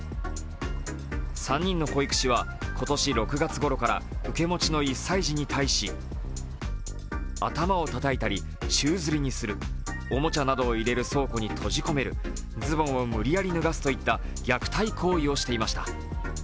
３人の保育士は今年６月ごろから受け持ちの１歳児に対し頭をたたいたり宙づりにする、おもちゃなどを入れる倉庫に閉じ込める、ズボンを無理やり脱がすといった虐待行為をしていました。